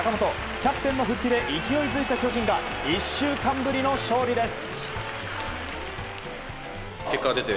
キャプテンの復帰で勢いづいた巨人が１週間ぶりの勝利です。